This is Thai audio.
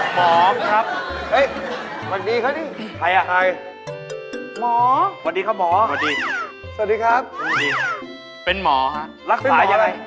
หมอครับเฮ้ยสวัสดีครับหมอครับเป็นหมอค่ะรักษายังไง